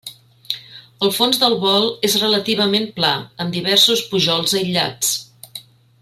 El fons del bol és relativament pla, amb diversos pujols aïllats.